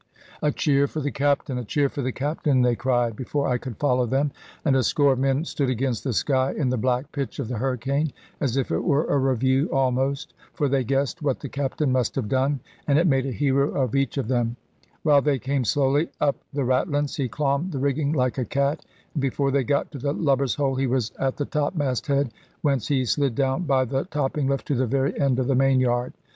"A cheer for the Captain, a cheer for the Captain!" they cried before I could follow them, and a score of men stood against the sky, in the black pitch of the hurricane, as if it were a review almost. For they guessed what the Captain must have done, and it made a hero of each of them. While they came slowly up the ratlins, he clomb the rigging like a cat, and before they got to the lubber's hole he was at the topmasthead, whence he slid down by the topping lift to the very end of the mainyard.